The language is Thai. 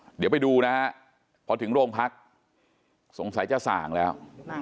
เดี๋ยวไปดูนะฮะพอถึงโรงพักสงสัยจะส่างแล้ว